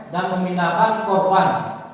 dan memindahkan korban